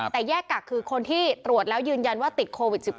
แต่แยกกักคือคนที่ตรวจแล้วยืนยันว่าติดโควิด๑๙